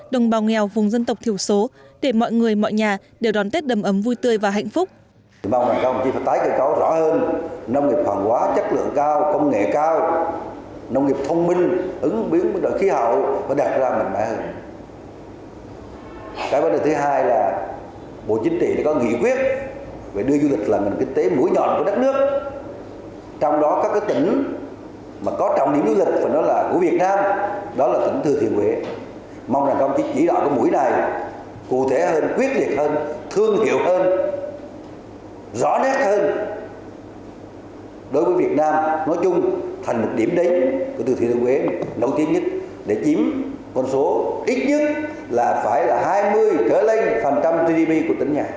đồng bào nghèo vùng dân tộc thiểu số để mọi người mọi nhà đều đón tết đầm ấm vui tươi và hạnh phúc